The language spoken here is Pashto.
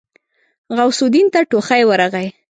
غوث الدين ته ټوخی ورغی.